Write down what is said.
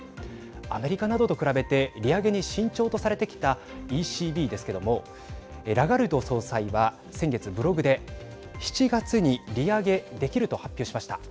アメリカなどと比べて利上げに慎重とされてきたＥＣＢですけどもラガルド総裁は、先月ブログで７月に利上げできると発表しました。